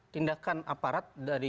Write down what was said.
tindakan aparat dari aparat